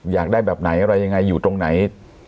อยากได้แบบไหนอะไรยังไงอยู่ตรงไหน